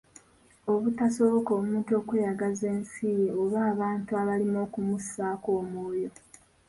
Obutasoboka omuntu okweyagaza ensi ye oba abantu abalimu okumussaako omwoyo.